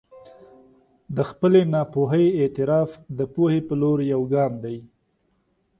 د خپلې ناپوهي اعتراف د پوهې په لور یو ګام دی.